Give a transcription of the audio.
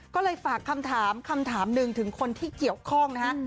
ก็เลยฝากคำถามคำถามหนึ่งถึงคนที่เกี่ยวข้องนะฮะ